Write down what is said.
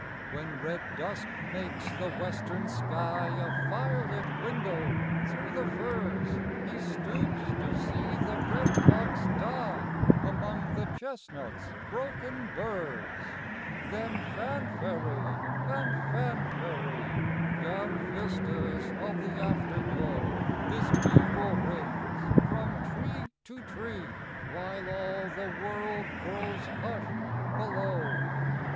When red dusk makes the western sky A fire lit window through the firs, He stoops to see the red fox die Among the chestnut's broken burs. Then fanfaree and fanfaree, Down vistas of the afterglow His bugle rings from tree to tree, While all the world grows hushed below. III.